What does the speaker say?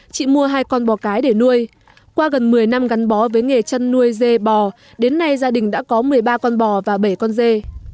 chị mua hai con bò cái để nuôi qua gần một mươi năm gắn bó với nghề chăn nuôi dê bò đến nay gia đình đã có một mươi ba con bò và bảy con dê